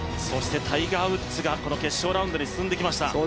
そしてタイガー・ウッズが決勝ラウンドに進んできました。